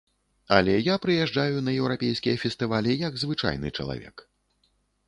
Але я прыязджаю на еўрапейскія фестывалі як звычайны чалавек.